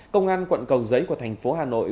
công an quận cầu giấy của thành phố hà nội